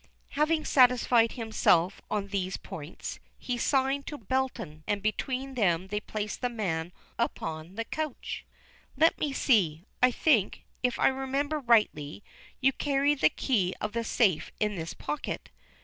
Having satisfied himself on these points, he signed to Belton and between them they placed the man upon the couch. "Let me see, I think, if I remember rightly, you carry the key of the safe in this pocket."